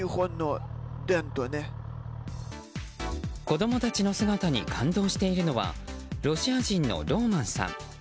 子供たちの姿に感動しているのはロシア人のローマンさん。